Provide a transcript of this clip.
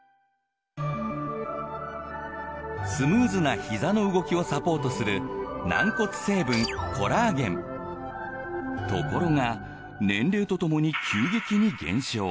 スムーズなひざの動きをサポートするところが年齢とともに急激に減少。